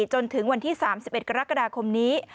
จนถึงวันที่๓๑กรกฎาคมนี้